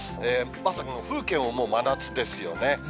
まさにこの風景も真夏ですよね。